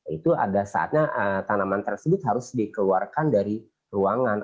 itu ada saatnya tanaman tersebut harus dikeluarkan dari ruangan